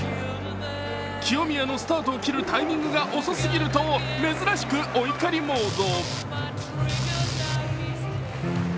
清宮のスタートを切るタイミングが遅すぎると珍しくお怒りモード。